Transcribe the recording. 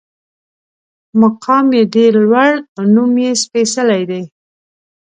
مقام یې ډېر لوړ او نوم یې سپېڅلی دی.